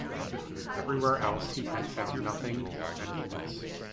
Everywhere else he had found nothing but emptiness.